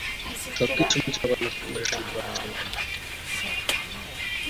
সবকিছু মুছে আবার নতুন করে শুরু করার জন্য।